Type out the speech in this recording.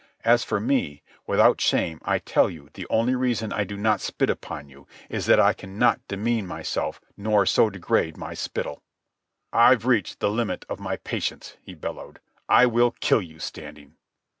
As for me, without shame I tell you the only reason I do not spit upon you is that I cannot demean myself nor so degrade my spittle." "I've reached the limit of my patience!" he bellowed. "I will kill you, Standing!"